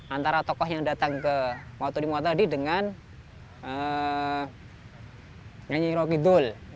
antara tokoh yang datang ke waktu di waktu tadi dengan nyanyi rogi dul